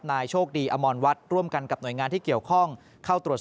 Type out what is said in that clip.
โชคดีอมรวัฒน์ร่วมกันกับหน่วยงานที่เกี่ยวข้องเข้าตรวจสอบ